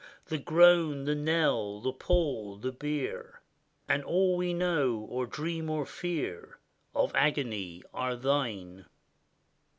The groan, the knell, the pall, the bier, And all we k.now, or dream, or fear Of agony, are thine.